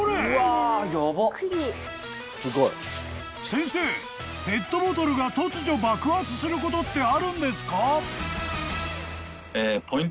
［先生ペットボトルが突如爆発することってあるんですか？］